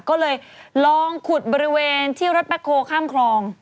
ก็เลยลองขุดบริเวณที่รถแบ็คโฮข้ามคลอง